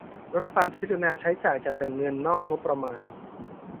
รัฐบาลจะพิจารณาใช้จ่ายจากแหล่งเงินนอกงบประมาณ